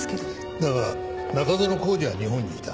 だが中園宏司は日本にいた。